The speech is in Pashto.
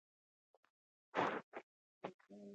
آیا د جوارو کښت زیات شوی؟